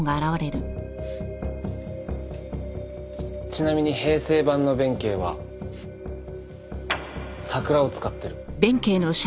ちなみに平成版の弁慶は桜を使ってる。